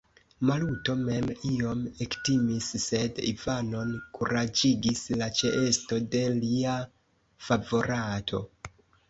Maluto mem iom ektimis; sed Ivanon kuraĝigis la ĉeesto de lia favorato.